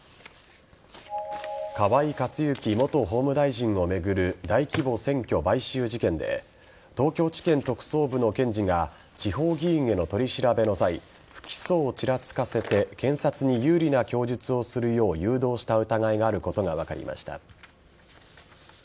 河井克行元法務大臣を巡る大規模選挙買収事件で東京地検特捜部の検事が地方議員への取り調べの際不起訴をちらつかせて検察に有利な供述をするよう誘導した疑いがあることが分かりました。